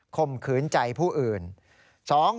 ข่มขืนใจผู้อื่น